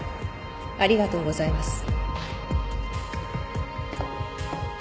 ありがとうございます。